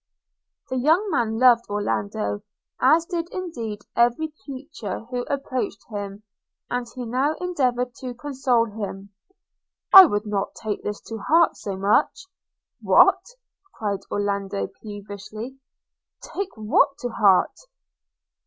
The young man loved Orlando, as did indeed every creature who approached him; and he now endeavoured to console him, 'I would not take this to heart so much.' 'What!' cried Orlando peevishly, 'take what to heart?'